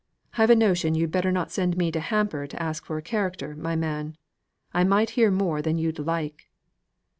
"I've a notion you'd better not send me to Hamper to ask for a character, my man. I might hear more than you'd like."